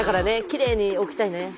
きれいに置きたいね。